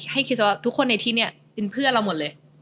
ให้คิดว่าทุกคนในที่เนี่ยเป็นเพื่อนเราหมดเลย